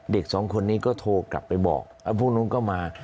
เด็กสองคนนี้ก็โทรกลับไปบอกแล้วพวกนู้นก็มา